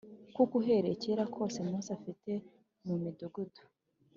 kuko uhereye kera kose Mose afite mu midugudu